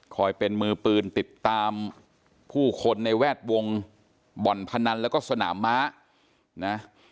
เป็นมือปืนติดตามผู้คนในแวดวงบ่อนพนันแล้วก็สนามม้านะ